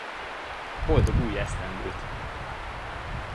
Boldog új esztendőt!